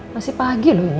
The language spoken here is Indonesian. masih pagi lho ini